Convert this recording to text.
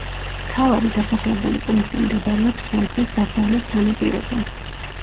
მთავარი დასახლებული პუნქტი მდებარეობს სამხრეთ-დასავლეთ სანაპიროზე.